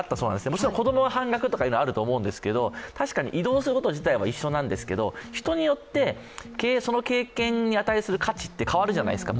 もちろん子供は半額ってあったんですけど確かに移動すること自体は一緒なんですけど人によって、その経験に値する価値って変わるじゃないですか。